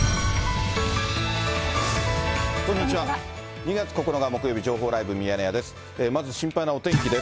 ２月９日木曜日、情報ライブミヤネ屋です。